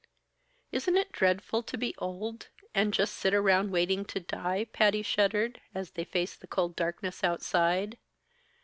"Isn't it dreadful to be old, and just sit around waiting to die?" Patty shuddered, as they faced the cold darkness outside.